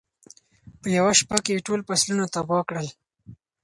په یوه شپه کې یې ټول فصلونه تباه کړل.